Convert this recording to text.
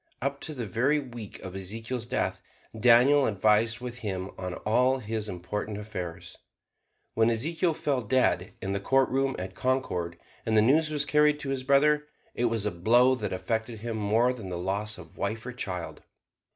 Up to the very week of Ezekiel's death Daniel advised with him on all his important affairs. When Ezekiel fell dead in the courtroom at Concord and the news was carried to his brother, it was a blow that affected him more than the loss of wife or child.